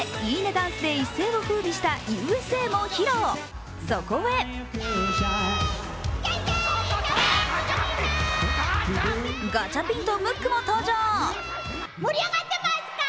ダンスで一世をふうびした「Ｕ．Ｓ．Ａ．」も披露、そこへガチャピンとムックも登場。